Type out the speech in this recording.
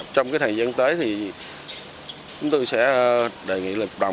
trong thời gian tới thì chúng tôi sẽ đề nghị lịch đồng